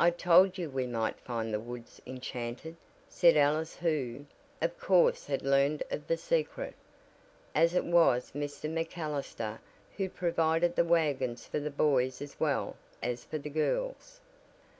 "I told you we might find the woods enchanted," said Alice who, of course had learned of the secret, as it was Mr. MacAllister who provided the wagons for the boys as well as for the girls.